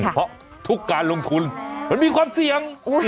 เพราะทุกการลงทุนมันมีความเสี่ยง